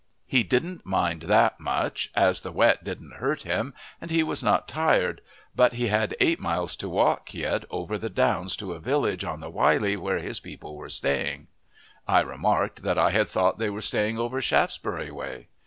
He didn't mind that much as the wet didn't hurt him and he was not tired; but he had eight miles to walk yet over the downs to a village on the Wylye where his people were staying. I remarked that I had thought they were staying over Shaftesbury way.